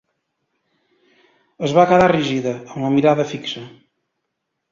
Es va quedar rígida, amb la mirada fixa.